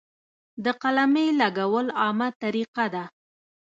د قلمې لګول عامه طریقه ده.